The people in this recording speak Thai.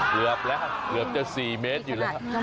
เกือบแล้วเกือบจะ๔เมตรอยู่แล้ว